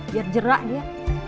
biar jerak dia